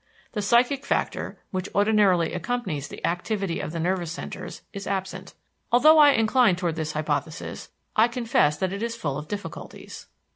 The psychic factor, which ordinarily accompanies the activity of the nervous centers, is absent. Although I incline toward this hypothesis, I confess that it is full of difficulties.